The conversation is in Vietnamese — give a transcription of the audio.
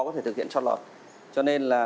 có thể thực hiện cho lọt cho nên là